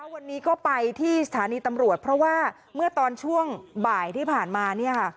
วันนี้ก็ไปที่สถานีตำรวจเพราะว่าเมื่อตอนช่วงบ่ายที่ผ่านมาเนี่ยค่ะ